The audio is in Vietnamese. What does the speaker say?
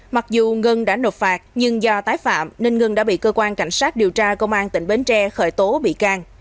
mặc dù ngân đã nộp phạt nhưng do tái phạm nên ngân đã bị cơ quan cảnh sát điều tra công an tỉnh bến tre khởi tố bị can